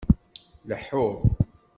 Laḥuɣ